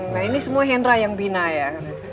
nah ini semua hendra yang bina ya